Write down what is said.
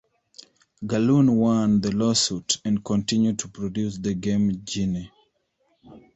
Galoob won the lawsuit and continued to produce the Game Genie.